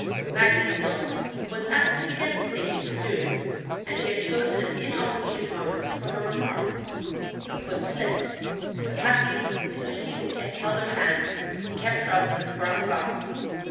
Maggie, we know, was apt to forget the thing she was doing, and she had chosen an inopportune moment for her remark; her foot slipped, but happily Mr Stephen Guest held her hand, and kept her up with a firm grasp.